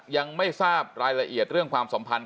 ยังไม่ทราบรายละเอียดเรื่องความสัมพันธ์